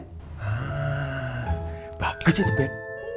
haa bagus itu beb